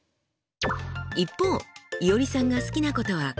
一方いおりさんが好きなことはこの３つ。